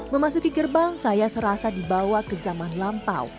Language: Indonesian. memasuki gerbang saya serasa dibawa ke zaman lampau